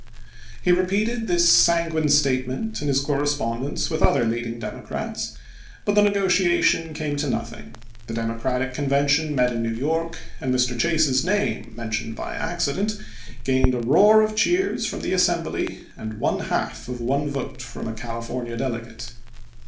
He repeated this sanguine statement in his cor respondence with other leading Democrats, but the negotiation came to nothing ; the Democratic Con vention met in New York, and Mr. Chase's name, mentioned by accident, gained a roar of cheers from the assembly, and one half of one vote from a California delegate.